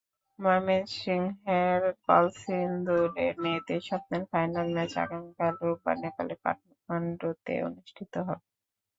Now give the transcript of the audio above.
ময়মনসিংহের কলসিন্দুরের মেয়েদের স্বপ্নের ফাইনাল ম্যাচ আগামীকাল রোববার নেপালের কাঠমান্ডুতে অনুষ্ঠিত হবে।